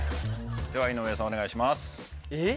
では井上さんお願いします。